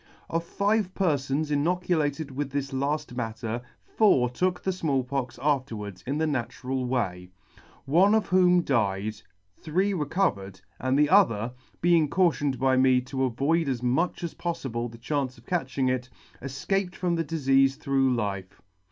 Of five perfons. [ 8 .] perfons inoculated with this laft matter, four took the Small Pox afterwards in the natural way ; one of whom died, three re covered, and the other, being cautioned by me to avoid as much as poffible the chance of catching it, efcaped from the difeafe through life.